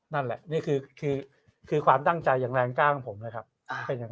นั่นแหละนี่คือความตั้งใจอย่างแรงกล้าของผมนะครับ